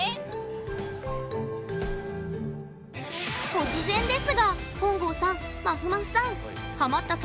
突然ですが本郷さんまふまふさん。